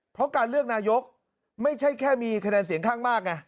เพราะการเลือกนายกไม่ใช่แค่มีคะแนนเสียงข้างมากไง